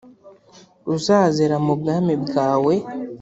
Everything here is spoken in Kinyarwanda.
uzazira mu bwami bwawe